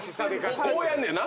こうやんねんな？